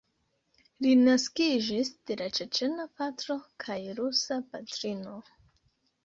Li naskiĝis de la ĉeĉena patro kaj rusa patrino.